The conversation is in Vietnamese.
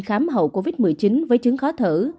khám hậu covid một mươi chín với chứng khó thở